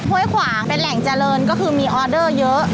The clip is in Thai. ห้วยขวางเป็นแหล่งเจริญก็คือมีออเดอร์เยอะ